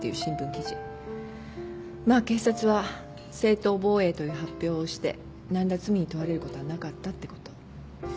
まあ警察は正当防衛という発表をして何ら罪に問われることはなかったってこと。